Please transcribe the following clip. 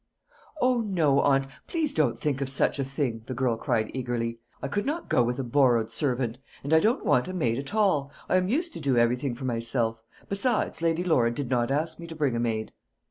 "O no, aunt; please don't think of such a thing!" the girl cried eagerly. "I could not go with a borrowed servant; and I don't want a maid at all; I am used to do everything for myself Besides, Lady Laura did not ask me to bring a maid."